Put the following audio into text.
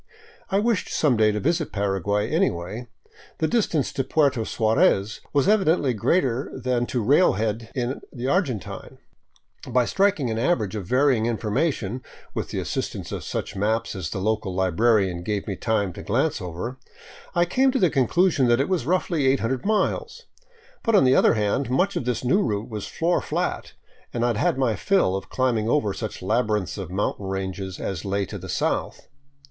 I wished some day to visit Paraguay, anyway; the distance to Puerto Suarez was evidently greater than to railhead in the Argentine — by striking an average of varying information, with the assistance of such maps as the local librarian gave me time to glance over, I came to the con clusion that it was roughly 800 miles — but on the other hand much of this new route was floor flat, and I had had my fill of climbing over such labyrinths of mountain ranges as lay to the south.